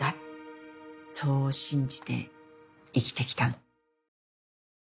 「そう信じて生きてきたの」